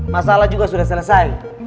masalah juga sudah selesai